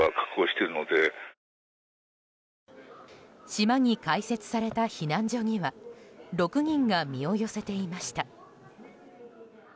島に開設された避難所には６人が身を寄せていました。